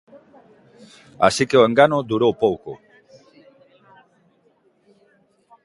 Así que o engano durou pouco.